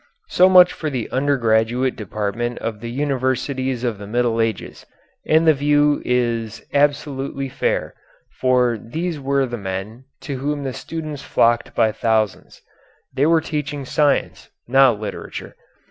So much for the undergraduate department of the universities of the Middle Ages, and the view is absolutely fair, for these were the men to whom the students flocked by thousands. They were teaching science, not literature.